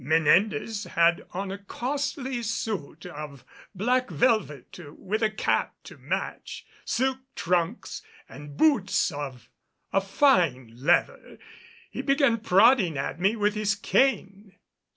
Menendez had on a costly suit of black velvet with a cap to match, silk trunks and boots of a fine leather. He began prodding at me with his cane.